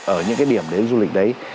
ở những cái điểm đến du lịch đấy